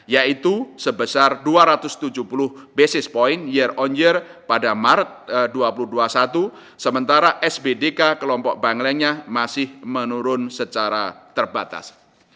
yaitu sebesar dua ratus tujuh puluh basis point year on year pada maret dua ribu dua puluh satu sementara sbdk kelompok banglanya masih menurun secara terbatas